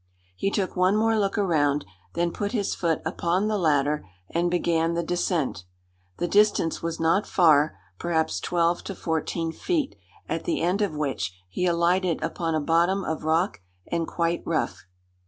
He took one more look around, then put his foot upon the ladder and began the descent. The distance was not far, perhaps twelve to fourteen feet, at the end of which he alighted upon a bottom of rock and quite rough.